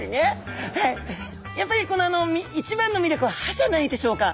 やっぱり一番の魅力は歯じゃないでしょうか。